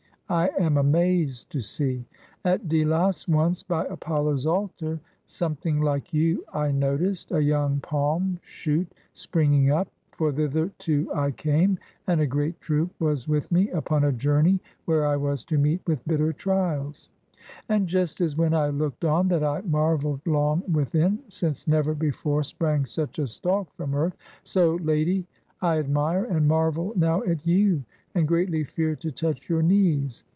I am amazed to see. At Delos once, by Apollo's altar, something Uke you I noticed, a young palm shoot spring ing up; for thither too I came, and a great troop was with me, upon a journey where I was to meet with bitter trials. And just as when I looked on that I marveled long within, since never before sprang such a stalk from earth; so, lady, I admire and marvel now at you, and greatly fear to touch your knees.